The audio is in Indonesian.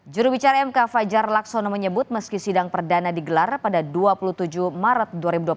jurubicara mk fajar laksono menyebut meski sidang perdana digelar pada dua puluh tujuh maret dua ribu dua puluh tiga